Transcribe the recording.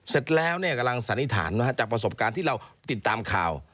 เสร็จแล้วกำลังสันนิษฐานว่าจากประสบการณ์ที่เราติดตามข่าว